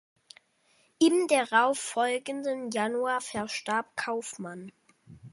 Im darauf folgenden Januar verstarb Kauffmann.